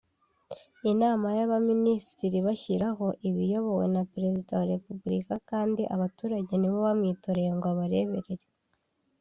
Inama y’Abaminisitiri ibashyiraho iba iyobowe na Perezida wa Repubulika kandi abaturage nibo bamwitoreye ngo abareberere